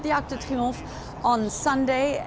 di akte triumph pada hari tunday